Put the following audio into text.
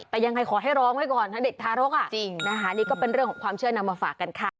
แต่ยังไงขอให้ร้องไว้ก่อนถ้าเด็กทารกนี่ก็เป็นเรื่องของความเชื่อนำมาฝากกันค่ะ